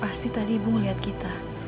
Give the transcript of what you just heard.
pasti tadi ibu lihat kita